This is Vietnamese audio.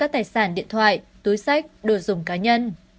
các tài sản điện thoại túi sách đồ dùng cá nhân